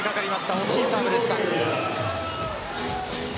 惜しいサーブでした。